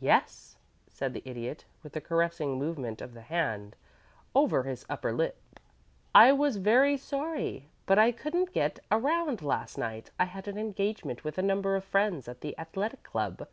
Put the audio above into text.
"Yes," said the Idiot, with a caressing movement of the hand over his upper lip; "I was very sorry, but I couldn't get around last night. I had an engagement with a number of friends at the athletic club.